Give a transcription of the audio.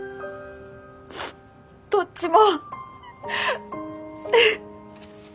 どっちも！